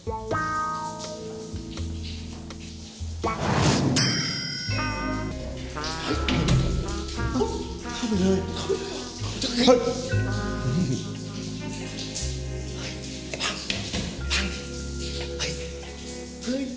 โอ้โห้เฮ้ย